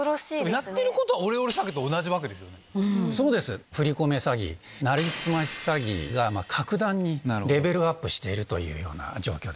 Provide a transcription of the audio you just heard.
やってることはオレオレ詐欺そうです、振り込め詐欺、なりすまし詐欺が、格段にレベルアップしているというような状況